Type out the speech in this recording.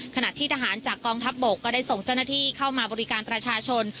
ขณะที่ทหารจากกองทัพบกก็ได้ส่งเจ้าหน้าที่เข้ามาบริการประชาชน